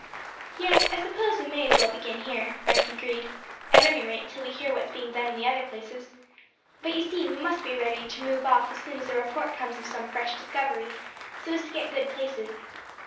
"Yes, I suppose we may as well begin here," Frank agreed; "at any rate until we hear what is being done in the other places. But you see we must be ready to move off as soon as a report comes of some fresh discovery, so as to get good places.